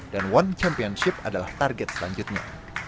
dan one championship adalah target selanjutnya